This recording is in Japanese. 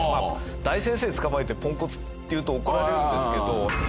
大先生つかまえてポンコツって言うと怒られるんですけど。